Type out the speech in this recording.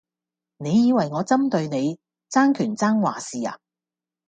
你以為我針對你,爭權爭話事呀?